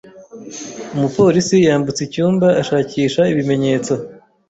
Umupolisi yambutse icyumba ashakisha ibimenyetso.